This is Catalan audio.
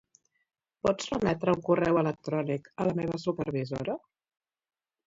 Pots remetre un correu electrònic a la meva supervisora?